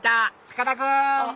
塚田君！